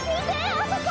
あそこ！